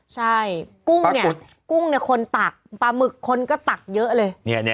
ใช่กุ้งเนี่ยคนตักปลาหมึกคนก็ตักเยอะเลย